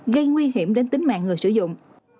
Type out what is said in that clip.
gây nguy hiểm đến tính mạng người sử dụng